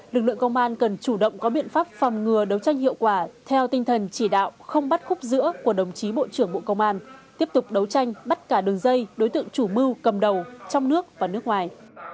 lực lượng công an cần chủ động có biện pháp phòng ngừa đấu tranh hiệu quả theo tinh thần chỉ đạo không bắt khúc giữa của đồng chí bộ trưởng bộ công an tiếp tục đấu tranh bắt cả đường dây đối tượng chủ mưu cầm đầu trong nước và nước ngoài